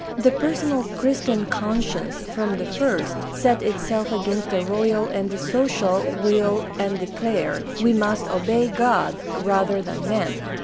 The personal Christian conscience from the first set itself against the royal and the social will and declared, "We must obey God rather than men."